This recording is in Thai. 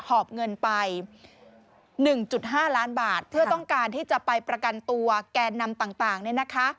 หอบเงินไป๑๕ล้านบาทเพื่อต้องการที่จะไปประกันตัวแกนนำต่างเนี่ยนะคะ